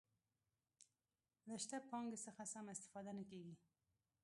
له شته پانګې څخه سمه استفاده نه کیږي.